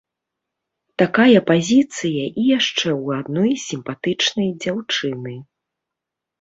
Такая пазіцыя і яшчэ ў адной сімпатычнай дзяўчыны!